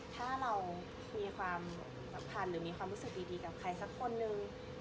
ถ้าเรามีความสัมพันธ์หรือมีความรู้สึกดีกับใครสักคนนึง